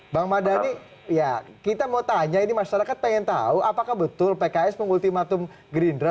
bang madani ya kita mau tanya ini masyarakat pengen tahu apakah betul pks mengultimatum gerindra